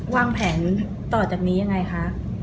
วางแผนต่อจากนี้ยังไงคะ